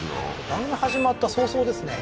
番組始まった早々ですね